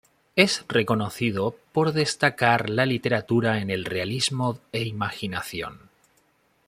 Es reconocido por destacar la literatura en realismo e imaginación.